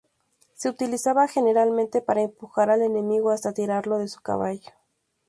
Se utilizaba generalmente para empujar al enemigo hasta tirarlo de su caballo.